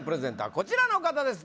こちらの方です